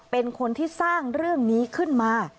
เป็นคนที่สร้างเรื่องนี้ขึ้นมา